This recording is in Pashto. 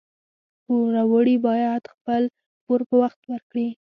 پوروړي باید خپل پور په وخت ورکړي